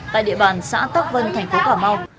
tại địa bàn xã tắc vân thành phố cà mau